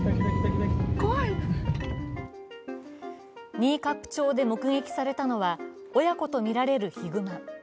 新冠町で目撃されたのは、親子とみられるヒグマ。